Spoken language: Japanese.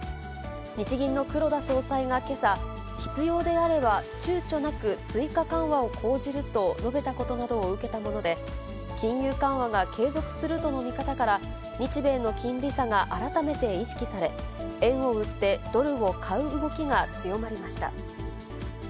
日銀の黒田総裁がけさ、必要であればちゅうちょなく追加緩和を講じると述べたことなどを受けたもので、金融緩和が継続するとの見方から、日米の金利差が改めて意識され、円を売ってドルを買う動きが強まりました。